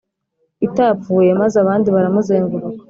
itapfuye maze abandi baramuzenguruka